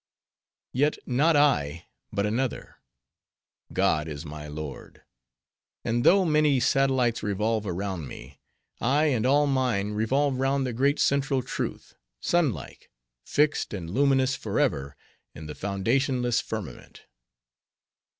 Yet not I, but another: God is my Lord; and though many satellites revolve around me, I and all mine revolve round the great central Truth, sun like, fixed and luminous forever in the foundationless firmament.